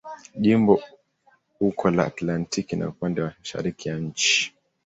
Jimbo uko la Atlantiki na upande wa mashariki ya nchi.